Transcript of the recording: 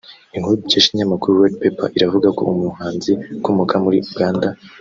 Inkuru dukesha ikinyamakuru Red Pepper iravuga ko umuhanzi ukomoka muri Uganda